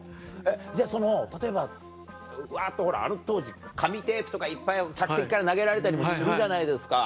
じゃあその例えばわっとあの当時紙テープとかいっぱい客席から投げられたりもするじゃないですか。